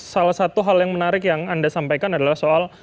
salah satu hal yang menarik yang anda sampaikan adalah soal